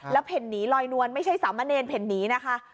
แล้วเห็นนี้รอยนวลไม่ใช่สามมะเนรเห็นนี้นะคะ